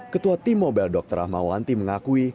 ketua tim mobile dr rahmawanti mengakui